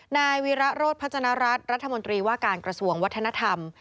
นายวีระโรธพัฒนรัฐรัฐมนตรีว่าการกระทรวงวัฒนธรรม